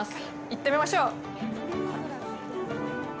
行ってみましょう。